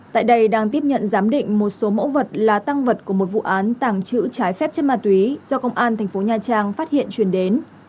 tại đây đang tiếp nhận giám định một số mẫu vật là tăng vật của một vụ án tảng chữ trái phép chất ma túy do công an thành phố nha trang phát hiện truyền đến